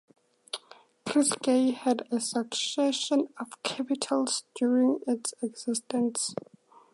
Ciskei had a succession of capitals during its existence.